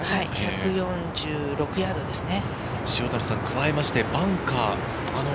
１４６ヤードですね。